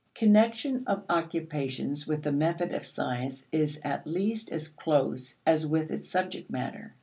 Connection of occupations with the method of science is at least as close as with its subject matter.